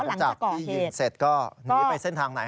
หลังจากที่ยิงเสร็จก็หนีไปเส้นทางไหน